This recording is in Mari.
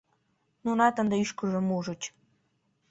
Нунат ынде ӱшкыжым ужыч.